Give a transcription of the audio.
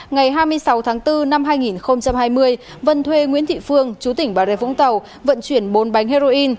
ngày hai mươi sáu tháng bốn năm hai nghìn hai mươi vân thuê nguyễn thị phương chú tỉnh bà rê vũng tàu vận chuyển bốn bánh heroin